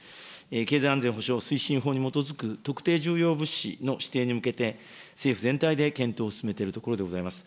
経済安全保障推進法に基づく特定重要物資の指定に向けて、政府全体で検討を進めているところでございます。